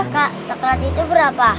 kak coklat itu berapa